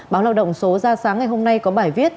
báo lao động số ra sáng ngày hôm nay có bài viết